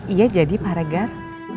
iya jadi pak regan